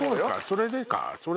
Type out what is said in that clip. それでか。